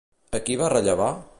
A qui va rellevar?